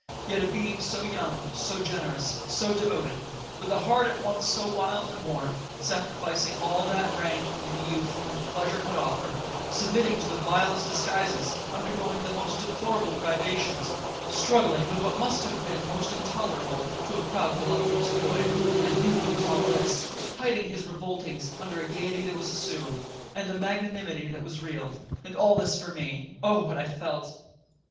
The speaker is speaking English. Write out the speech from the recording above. Yet a being so young, so generous, so devoted, with a heart at once so wild and warm, sacrificing all that rank, and youth, and pleasure could offer,—submitting to the vilest disguises, undergoing the most deplorable privations, struggling with what must have been most intolerable to a proud voluptuous boy, (and I knew he was all this), hiding his revoltings under a gaiety that was assumed, and a magnanimity that was real—and all this for me!—Oh what I felt!